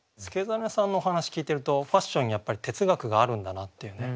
祐真さんのお話聞いてるとファッションにやっぱり哲学があるんだなっていうね